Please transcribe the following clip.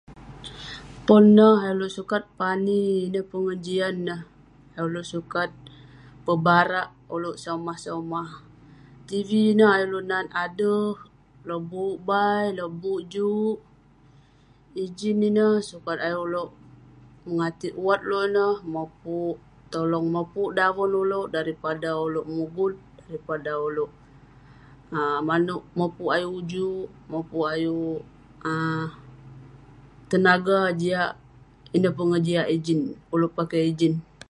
Pon neh ayuk uleuk sukat pani de pengejian neh, ayuk uleuk sukat pebarak uleuk somah-somah. TV ineh ayuk uleuk nat ade lobuk bai, lobuk juk. Ijin ineh sukat ayuk uleuk mengatik uwat uleuk ineh, mopuk, tolong mopuk daven uleuk daripada uleuk mugut, daripada uleuk um maneuk mopuk ayuk ujuk, mopuk ayuk um tenaga, jiak. Ineh pengejiak ijin, uleuk pakai ijin.